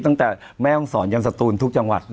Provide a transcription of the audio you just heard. ตั้งแต่แม่ห้องศรยันสตูนทุกจังหวัด